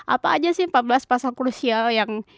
apa aja sih empat belas pasal krusial yang